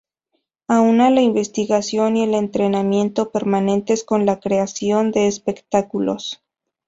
Aúna la investigación y el entrenamiento permanentes con la creación de espectáculos.